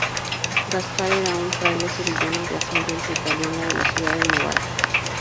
Gaspar era un fraile sevillano de ascendencia italiana, de la ciudad de Novara.